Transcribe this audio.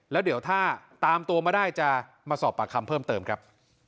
แล้วเดี๋ยวถ้าตามตัวมาได้จะมาสอบปากคำเพิ่มเติมครับ